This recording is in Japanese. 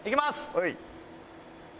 はい。